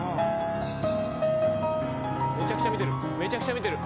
めちゃくちゃ見てる。